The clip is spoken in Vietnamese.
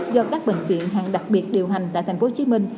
do các bệnh viện hàng đặc biệt điều hành tại tp hcm